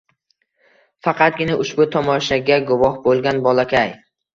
Faqatgina ushbu tomoshaga guvoh bo‘lgan bolakay